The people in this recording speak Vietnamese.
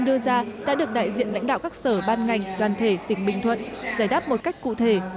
đưa ra đã được đại diện lãnh đạo các sở ban ngành đoàn thể tỉnh bình thuận giải đáp một cách cụ thể